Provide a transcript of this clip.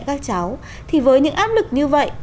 các cháu thì với những áp lực như vậy